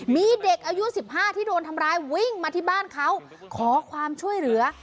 มีเด็กอายุ๑๕ที่โดนทำร้ายวิ่งมาที่บ้านเขาขอความช่วยเหลือ